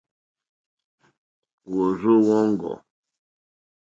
Wòrzô wóŋɡô.